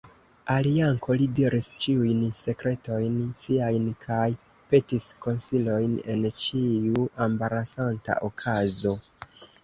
Al Janko li diris ĉiujn sekretojn siajn kaj petis konsilojn en ĉiu embarasanta okazo.